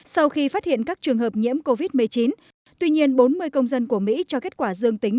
sau khi phát hiện các trường hợp nhiễm covid một mươi chín tuy nhiên bốn mươi công dân của mỹ cho kết quả dương tính